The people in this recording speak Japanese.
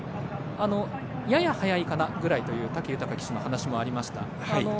やや速いかなくらいという武豊騎手の話もありました。